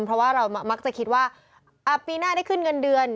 เพราะว่าเรามักจะคิดว่าปีหน้าได้ขึ้นเงินเดือน